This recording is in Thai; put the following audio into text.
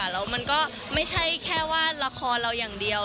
แล้วมันก็ไม่ใช่แค่ว่าละครเราอย่างเดียว